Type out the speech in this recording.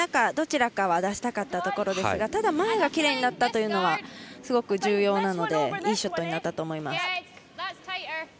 どちらかは出したかったところですがただ前がきれいになったのはすごく重要なのでいいショットになったと思います。